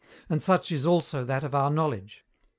And such is also that of our knowledge.